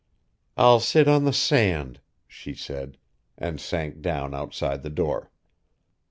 "I'll sit on the sand," she said, and sank down outside the door.